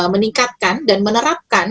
meningkatkan dan menerapkan